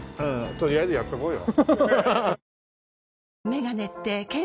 とりあえずやっとこうよ。